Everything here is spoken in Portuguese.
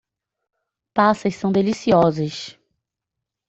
Passas são deliciosas.